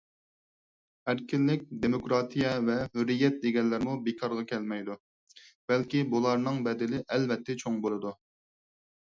ئەركىنلىك، دېموكراتىيە ۋە ھۆرىيەت دېگەنلەرمۇ بىكارغا كەلمەيدۇ. بەلكى بۇلارنىڭ بەدىلى ئەلۋەتتە چوڭ بولىدۇ.